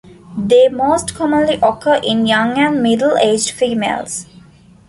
They most commonly occur in young and middle aged females.